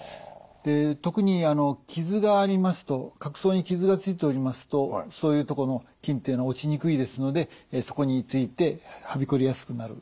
特にあの角層に傷がついておりますとそういうとこの菌っていうのは落ちにくいですのでそこについてはびこりやすくなる。